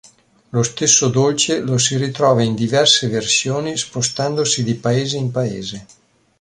Lo stesso dolce lo si ritrova in diverse versioni spostandosi di paese in paese.